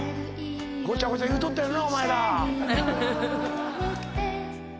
ごちゃごちゃ言うとったよなお前ら。